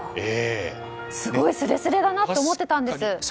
すれすれだなと思ってたんですよね。